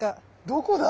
どこだ？